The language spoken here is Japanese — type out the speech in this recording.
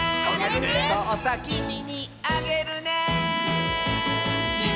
「そうさきみにあげるね」